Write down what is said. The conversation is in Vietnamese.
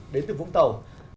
đến từ vũng tàu